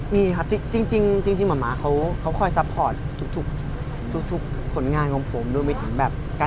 ไม่เป็นห่วงแต่เขาก็ได้ฝากไว้แล้วแล้วผมก็ลำปลา